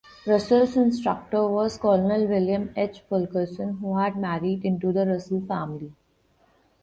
Russell's instructor was Colonel William H. Fulkerson, who had married into the Russell family.